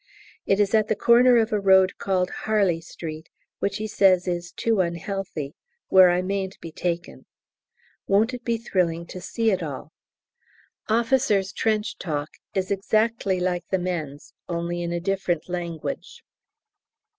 It is at the corner of a road called "Harley Street," which he says is "too unhealthy," where I mayn't be taken. Won't it be thrilling to see it all? Officers' "trench talk" is exactly like the men's, only in a different language.